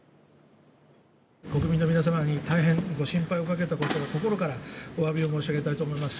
国民の皆様に大変ご心配をかけたことを心からおわびを申し上げたいと思います。